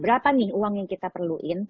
berapa nih uang yang kita perluin